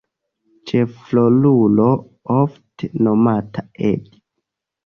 Ĉefrolulo, ofte nomata "Ed".